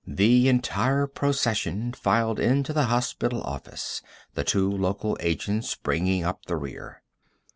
The entire procession filed into the hospital office, the two local agents bringing up the rear.